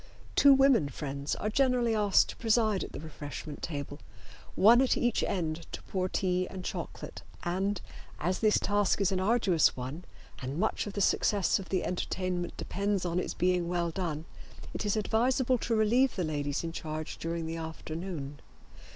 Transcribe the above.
Two women friends are generally asked to preside at the refreshment table, one at each end to pour tea and chocolate, and, as this task is an arduous one and much of the success of the entertainment depends on its being well done, it is advisable to relieve the ladies in charge during the afternoon.